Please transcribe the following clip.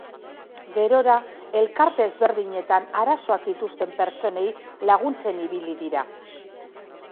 Gerora, elkarte ezberdinetan arazoak dituzten pertsonei laguntzen ibili dira.